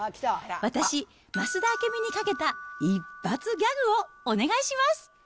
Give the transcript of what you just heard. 私、増田明美にかけた一発ギャグをお願いします。